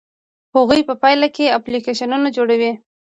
هغوی په پایله کې اپلیکیشنونه جوړوي.